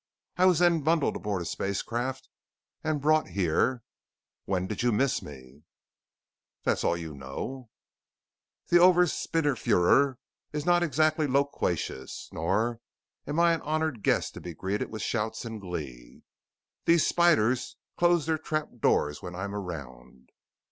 I was then bundled aboard a spacecraft and brought here. When did you miss me?" "That's all you know?" "The Oberspinnenführer is not exactly loquacious. Nor am I an honored guest to be greeted with shouts and glee. These spiders close their trap doors when I am around."